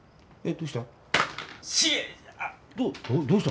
どうした？